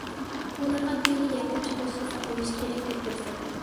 ئۇلار ئاددىيلا يەكۈن چىقىرىشتىن ساقلىنىش كېرەك، دەپ كۆرسەتتى.